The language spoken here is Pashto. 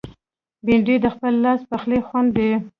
بېنډۍ د خپل لاس پخلي خوند دی